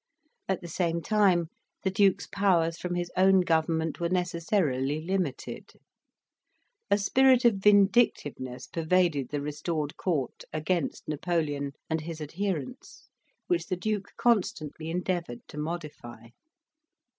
At the same time the Duke's powers from his own Government were necessarily limited. A spirit of vindictiveness pervaded the restored Court against Napoleon and his adherents, which the Duke constantly endeavoured to modify.